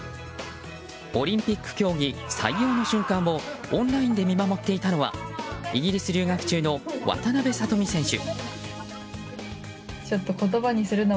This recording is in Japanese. オリンピック競技採用の瞬間をオンラインで見守っていたのはイギリス留学中の渡邉聡美選手。